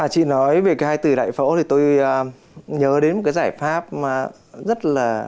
chị nói về cái hai từ đại phẫu thì tôi nhớ đến một cái giải pháp rất là